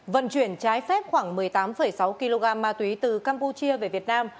vận chuyển trái phép khoảng một mươi tám sáu kg ma túy từ campuchia về việt nam